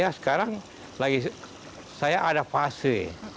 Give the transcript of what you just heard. ya sekarang lagi saya ada fase